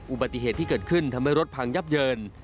อุบัติเหตุที่เกิดขึ้นทำให้รถพังยับเยิน